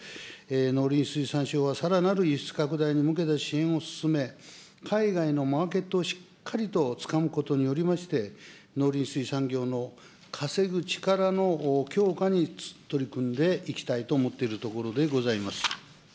農林水産省はさらなる輸出拡大に向けた支援を進め、海外のマーケットをしっかりとつかむことによりまして、農林水産業の稼ぐ力の強化に取り組んでいきたいと思っているところでございます。